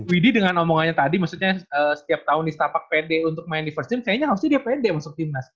widhi dengan omongannya tadi maksudnya setiap tahun di setapak pede untuk main di first team kayaknya harusnya dia pede masuk timnas